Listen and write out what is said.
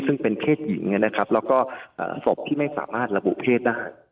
ซึ่งเป็นเพศหญิงนะครับแล้วก็ศพที่ไม่สามารถระบุเพศได้